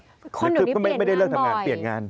คนเดี๋ยวนี้เปลี่ยนงานบ่อยไม่ได้เลิกทำงานเปลี่ยนงาน